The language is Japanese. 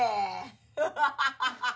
ハハハハ！